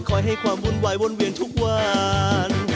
ให้ความวุ่นวายวนเวียนทุกวัน